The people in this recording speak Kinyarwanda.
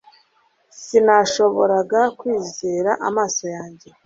Sinashoboraga kwizera amaso yanjye